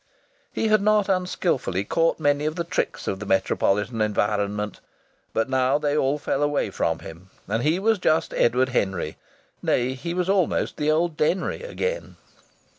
He had not unskilfully caught many of the tricks of that metropolitan environment. But now they all fell away from him, and he was just Edward Henry nay, he was almost the old Denry again.